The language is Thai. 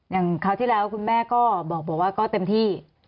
คราวที่แล้วคุณแม่ก็บอกว่าก็เต็มที่